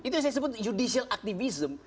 itu yang saya sebut judicial activism